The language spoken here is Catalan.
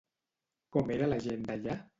Com era la gent d'allà?